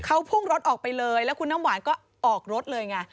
เขาพุ่งรถออกไปเลยแล้วคุณน้ำหวานก็ออกรถเลยไง